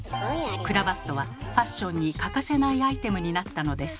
クラヴァットはファッションに欠かせないアイテムになったのです。